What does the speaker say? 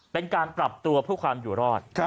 เป็นการปรับตัวเพื่อความอยู่รอด